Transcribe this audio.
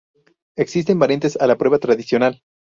Existen variantes a la prueba tradicional.